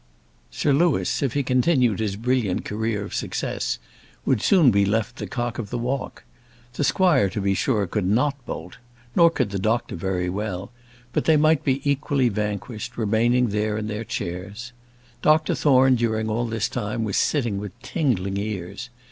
Sir Louis, if he continued his brilliant career of success, would soon be left the cock of the walk. The squire, to be sure, could not bolt, nor could the doctor very well; but they might be equally vanquished, remaining there in their chairs. Dr Thorne, during all this time, was sitting with tingling ears.